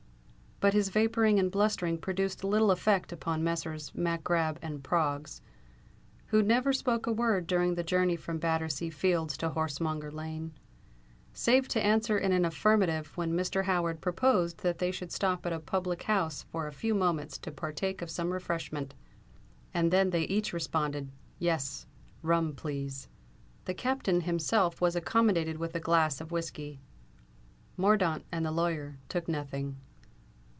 But his vapouring and blustering produced little effect upon Messrs. Mac Grab and Proggs, who never spoke a word during the journey from Battersea Fields to Horsemonger Lane, save to answer in an affirmative when Mr. Howard proposed that they should stop at a public house for a few moments to partake of some refreshment; and then they each responded—"Yes—rum, please." The Captain himself was accommodated with a glass of whiskey: Mordaunt and the lawyer took nothing.